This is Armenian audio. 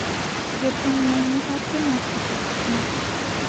եթե միայն, իհարկե, նա չի կեղծում: